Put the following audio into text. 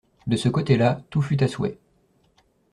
De ce côté-là, tout fut à souhait.